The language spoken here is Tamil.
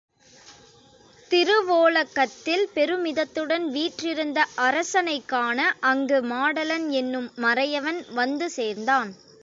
திருவோலக்கத்தில் பெருமிதத்துடன் வீற்றிருந்த அரசனைக் காண அங்கு மாடலன் என்னும் மறையவன் வந்து சேர்ந்தான்.